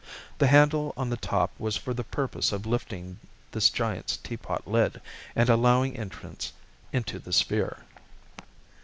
The handle on the top was for the purpose of lifting this giant's teapot lid, and allowing entrance into the sphere.